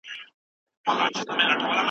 هغې پوښتنه کوله چې دماغ د مړینې پر مهال څه کوي.